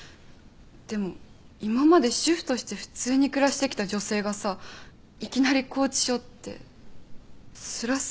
でも今まで主婦として普通に暮らしてきた女性がさいきなり拘置所ってつらそうじゃん。